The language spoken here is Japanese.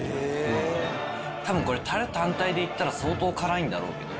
多分これタレ単体で行ったら相当辛いんだろうけど。